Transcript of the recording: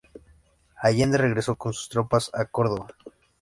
Allende regresó con sus tropas a Córdoba.